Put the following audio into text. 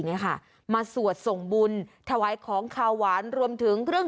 เนี่ยค่ะมาสวดส่งบุญถวายของขาวหวานรวมถึงเครื่อง